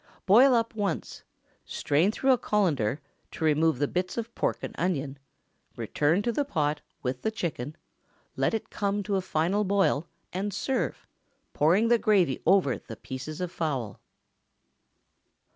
Boil up once; strain through a cullender, to remove the bits of pork and onion; return to the pot, with the chicken; let it come to a final boil, and serve, pouring the gravy over the pieces of fowl.